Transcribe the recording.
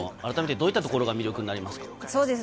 どういったところが魅力になりますか？